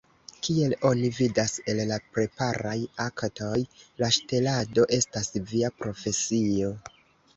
Kiel oni vidas el la preparaj aktoj, la ŝtelado estas via profesio!